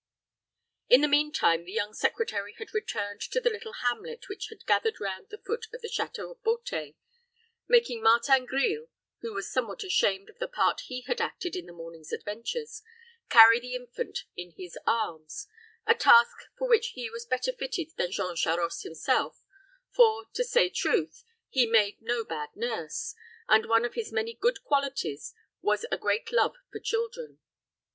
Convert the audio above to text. In the mean time, the young secretary had returned to the little hamlet which had gathered round the foot of the château of Beauté, making Martin Grille, who was somewhat ashamed of the part he had acted in the morning's adventures, carry the infant in his arms a task for which he was better fitted than Jean Charost himself; for, to say truth, he made no bad nurse, and one of his many good qualities was a great love for children.